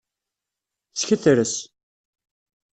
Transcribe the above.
Sketres.